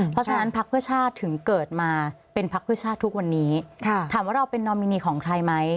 เพราะฉะนั้นพักเพื่อชาติถึงเกิดมาเป็นพักเพื่อชาติทุกวันนี้ถามว่าเราเป็นนอมินีของใครไหม